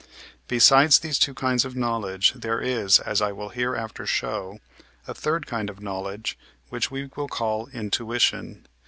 Besides these two kinds of knowledge, there is, as I will hereafter show, a third kind of knowledge, which we will call intuition.